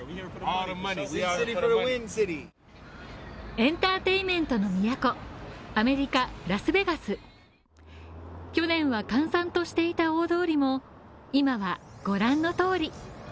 エンターテイメントの都、アメリカ・ラスベガス去年は閑散としていた大通りも、今はご覧の通り。